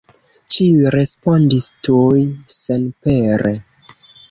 Ĉiuj respondis tuj senpere.